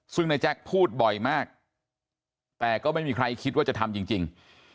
ซึ่งนายแจ๊คพูดบ่อยมากแต่ก็ไม่มีใครคิดว่าจะทำจริง